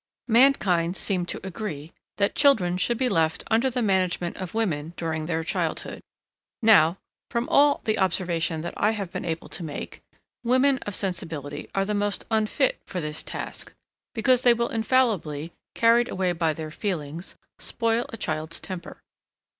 Mankind seem to agree, that children should be left under the management of women during their childhood. Now, from all the observation that I have been able to make, women of sensibility are the most unfit for this task, because they will infallibly, carried away by their feelings, spoil a child's temper.